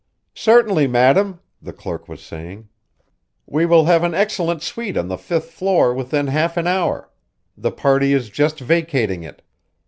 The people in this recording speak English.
"Certainly, madam," the clerk was saying. "We will have an excellent suite on the fifth floor within half an hour. The party is just vacating it.